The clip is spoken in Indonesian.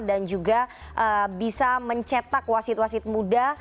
dan juga bisa mencetak wasit wasit muda